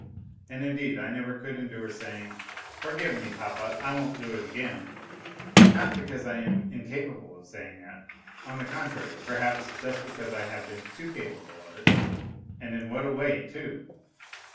And, indeed, I could never endure saying, " Forgive me, Papa, I won't do it again," not because I am incapable of saying that on the contrary, perhaps just because I have been too capable of it, and in what a way, too